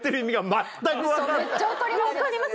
めっちゃ分かります